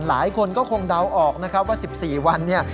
หลายคนก็คงเดาออกนะครับว่า๑๔วันเนี่ย